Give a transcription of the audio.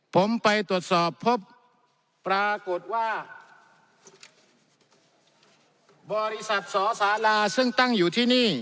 ผมไปตรวจสอบพบปรากฏว่าบริษัทสอสาราซึ่งตั้งอยู่ที่นี่